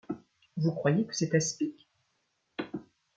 Vous croyez que c’est Aspic ?